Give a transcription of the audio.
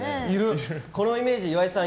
このイメージ、岩井さん